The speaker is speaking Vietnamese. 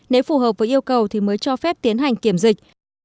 nếu phù hợp với yêu cầu thì mới cho phép tiến hành kiểm dịch